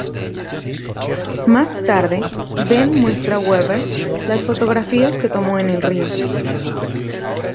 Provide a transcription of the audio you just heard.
Más tarde, Ben muestra Weaver las fotografías que tomó en el río.